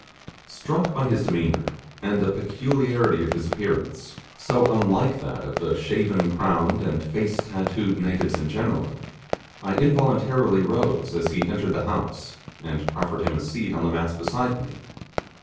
Struck by his demeanour, and the peculiarity of his appearance, so unlike that of the shaven crowned and face tattooed natives in general, I involuntarily rose as he entered the house, and proffered him a seat on the mats beside me.